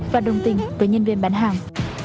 và đồng tình với nhân viên bán hàng